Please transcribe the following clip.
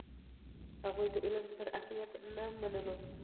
هغوی د علم ستر اهمیت نه منلو.